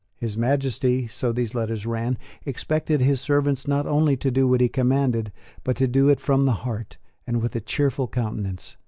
His Majesty so these letters ran expected his servants not only to do what he commanded, but to do it from the heart, and with a cheerful countenance.